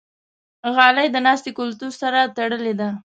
غالۍ د ناستې کلتور سره تړلې ده.